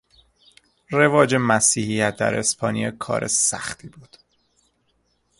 رواج مسیحیت در اسپانیا کار سختی بود.